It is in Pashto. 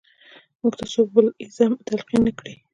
موږ ته څوک بل ایزم تلقین نه کړي.